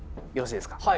よろしいですか？